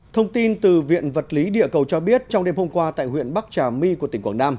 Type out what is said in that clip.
thông tin từ viện vật lý địa cầu cho biết trong đêm hôm qua tại huyện bắc trà my của tỉnh quảng nam